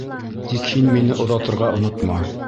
Тик һин мине оҙатырға онотма.